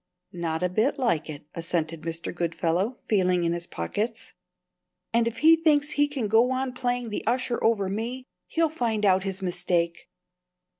"Not a bit like it," assented Mr. Goodfellow, feeling in his pockets. "And if he thinks he can go on playing the usher over me, he'll find out his mistake.